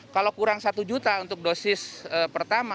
kalau kurang satu juta untuk dosis pertama